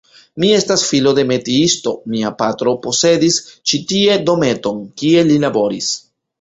Mi estas filo de metiisto, mia patro posedis ĉi tie dometon, kie li laboris.